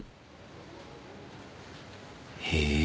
へえ。